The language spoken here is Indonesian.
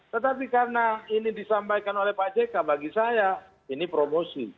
tetapi karena ini disampaikan oleh pak jk bagi saya ini promosi